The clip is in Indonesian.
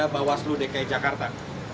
bawaslu dki jakarta